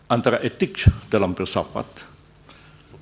antara etik dalam filsafat dan norma moral